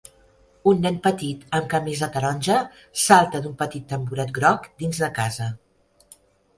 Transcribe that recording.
Un nen petit amb camisa taronja salta d'un petit tamboret groc dins de casa.